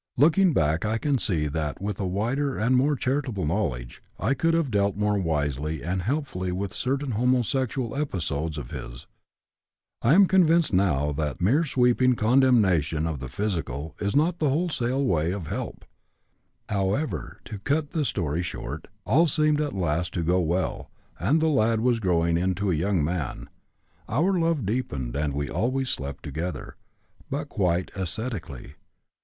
Looking back I can see that with a wider and more charitable knowledge I could have dealt more wisely and helpfully with certain homosexual episodes of his. I am convinced now that mere sweeping condemnation of the physical is not the wholesome way of help. However, to cut the story short, all seemed at last to go well, and the lad was growing into a young man. Our love deepened, and we always slept together, but quite ascetically.